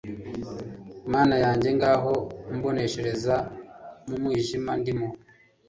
Mana yanjye ngaho mboneshereza mu mwijima ndimo